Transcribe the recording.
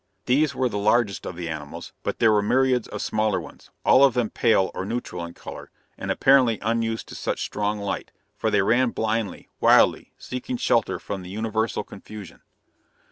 These were the largest of the animals, but there were myriads of smaller ones, all of them pale or neutral in color, and apparently unused to such strong light, for they ran blindly, wildly seeking shelter from the universal confusion.